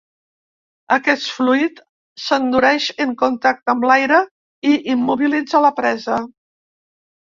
Aquest fluid s'endureix en contacte amb l'aire i immobilitza la presa.